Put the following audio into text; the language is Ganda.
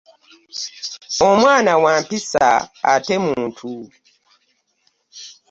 Omwana wa mpisa ate muntu.